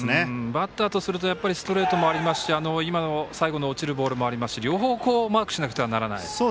バッターとするとストレートもありますし落ちるボールもありますし両方マークしなくてはならない。